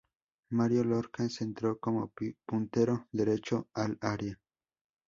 Mario Lorca centró como puntero derecho al área.